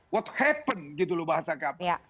what happen gitu loh bahasa kapal